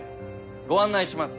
ご案内します。